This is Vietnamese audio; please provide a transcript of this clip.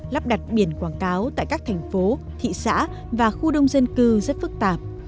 lắp đặt biển quảng cáo tại các thành phố thị xã và khu đông dân cư rất phức tạp